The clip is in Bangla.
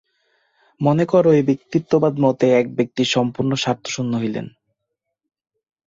মনে কর, এই ব্যক্তিত্ববাদ-মতে এক ব্যক্তি সম্পূর্ণ স্বার্থশূন্য হইলেন।